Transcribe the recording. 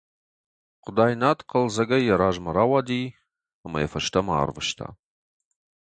Хъуыдайнат хъӕлдзӕгӕй йӕ размӕ рауади ӕмӕ йӕ фӕстӕмӕ арвыста.